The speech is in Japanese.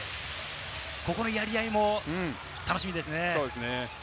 ここのやり合いも楽しみですね。